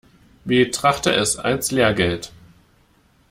Betrachte es als Lehrgeld.